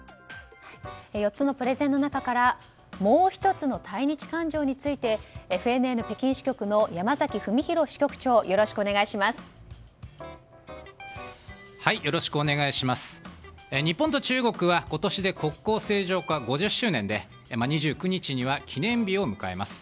４つのプレゼンの中からもう１つの対日感情についてＦＮＮ北京支局の山崎文博支局長よろしくお願いします。